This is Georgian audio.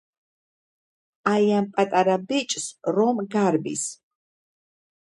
- აი, ამ პატარა ბიჭს, რომ გარბის!